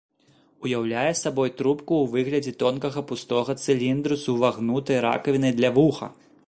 Уяўляе сабой трубку ў выглядзе тонкага пустога цыліндру з увагнутай ракавінай для вуха.